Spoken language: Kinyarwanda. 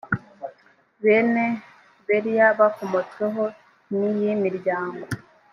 bene beriya bakomotsweho n iyi miryango